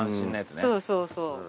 そうそうそう。